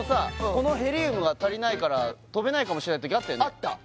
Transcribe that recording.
このヘリウムが足りないから飛べないかもしれない時あったよね